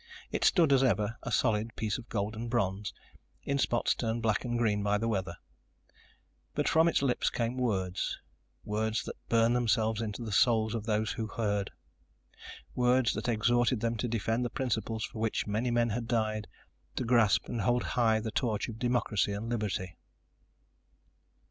It stood as ever, a solid piece of golden bronze, in spots turned black and green by weather. But from its lips came words ... words that burned themselves into the souls of those who heard. Words that exhorted them to defend the principles for which many men had died, to grasp and hold high the torch of democracy and liberty.